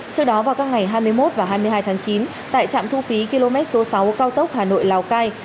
trước đó vào các ngày hai mươi một và hai mươi hai tháng chín tại trạm thu phí km số sáu cao tốc hà nội lào cai